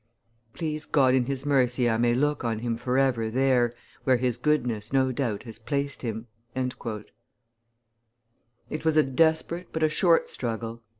Please God in His mercy I may look on him forever there where his goodness, no doubt, has placed him!" It was a desperate but a short struggle.